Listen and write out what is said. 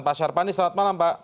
pak syar pandi selamat malam pak